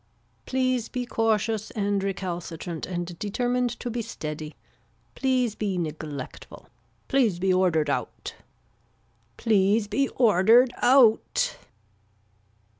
Please be cautious and recalcitrant and determined to be steady. Please be neglectful. Please be ordered out. Please be ordered out.